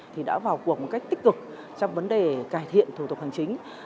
thì đã vào cuộc một cách tích cực trong vấn đề cải thiện thủ tục hành chính